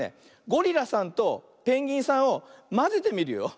ゴリラさんとペンギンさんをまぜてみるよ。